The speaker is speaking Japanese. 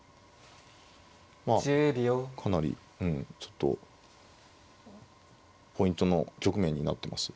まあかなりうんちょっとポイントの局面になってます。